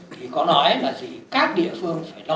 thì có nói là các địa phương phải lo